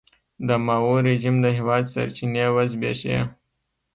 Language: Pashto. د ماوو رژیم د هېواد سرچینې وزبېښي.